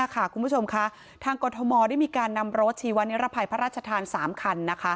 คุณผู้ชมค่ะทางกรทมได้มีการนำรถชีวนิรภัยพระราชทาน๓คัน